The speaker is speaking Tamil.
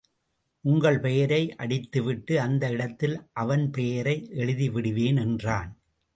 உங்கள் பெயரை அடித்துவிட்டு அந்த இடத்தில் அவன் பெயரை எழுதிவிடுவேன் என்றான்.